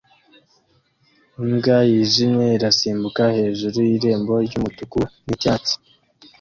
Imbwa yijimye irasimbuka hejuru y irembo ryumutuku nicyatsi